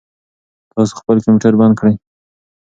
تاسو خپل کمپیوټر بند کړئ.